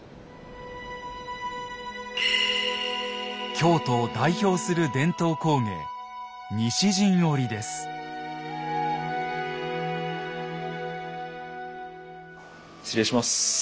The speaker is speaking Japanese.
京都を代表する伝統工芸失礼します。